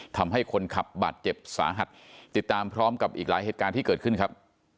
ทำให้คนขับบาดเจ็บสาหัสติดตามพร้อมกับอีกหลายเหตุการณ์ที่เกิดขึ้นครับ